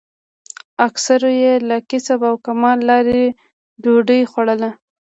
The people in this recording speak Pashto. اکثرو یې له کسب او کمال لارې ډوډۍ خوړله.